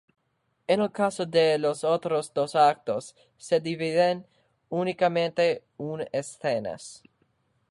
En el caso de los otros dos actos, se dividen únicamente en escenas.